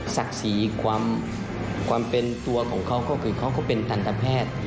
ศักดิ์ศรีความเป็นตัวของเขาก็คือเขาก็เป็นทันตแพทย์